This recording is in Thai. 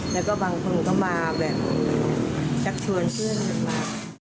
แล้วก็บางคนก็มาแบบชักชวนเพื่อนมา